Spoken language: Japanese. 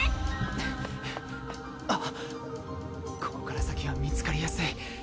ここから先は見つかりやすい。